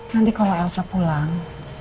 nanti kalau elsa pulang